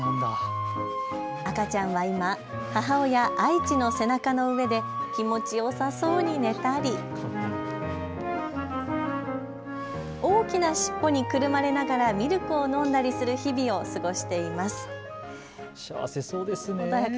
赤ちゃんは今、母親アイチの背中の上で気持ちよさそうに寝たり、大きな尻尾にくるまれながらミルクを飲んだりする日々を過ごしています。